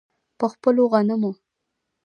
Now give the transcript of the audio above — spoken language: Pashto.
په خپلو غنمو.